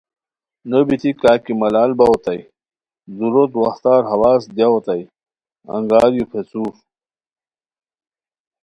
نو بیتی کا کی ملال باؤ اوتائے دُورو دواہتہ ہواز دیاؤ اوتائے انگار یو پیڅھور